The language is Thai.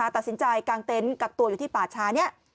ตัดสินใจกางเต็นต์กักตัวอยู่ที่ป่าช้านี้